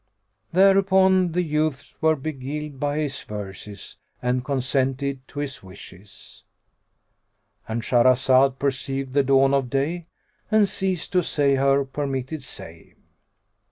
"[FN#86] Thereupon the youths were beguiled by his verses and consented to his wishes,—And Shahrazad perceived the dawn of day and ceased to say her permitted say.